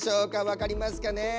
わかりますかねえ。